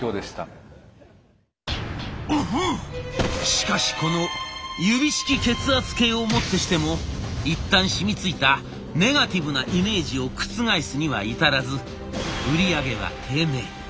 しかしこの指式血圧計をもってしても一旦しみついたネガティブなイメージを覆すには至らず売り上げは低迷。